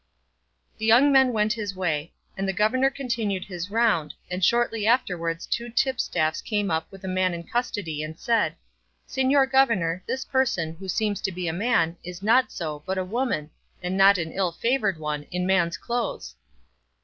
The young man went his way, and the governor continued his round, and shortly afterwards two tipstaffs came up with a man in custody, and said, "Señor governor, this person, who seems to be a man, is not so, but a woman, and not an ill favoured one, in man's clothes."